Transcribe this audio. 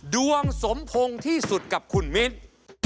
ดวงสมพงษ์ที่สุดกับคุณมิ้น